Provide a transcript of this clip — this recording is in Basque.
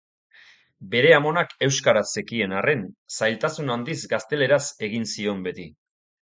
Bere amonak euskaraz zekien arren, zailtasun handiz gazteleraz egin zion beti.